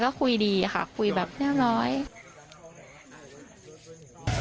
ก็คุยดีค่ะคุยแบบเรียบร้อย